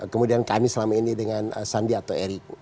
kemudian kami selama ini dengan sandiato erik